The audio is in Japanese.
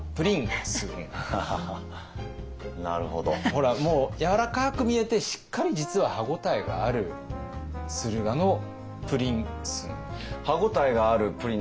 ほらもうやわらかく見えてしっかり実は歯ごたえがある駿河のプリンス。